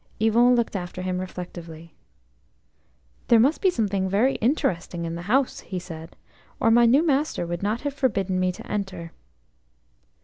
Yvon looked after him reflectively. "There must be something very interesting in the house," he said, "or my new master would not have forbidden me to enter."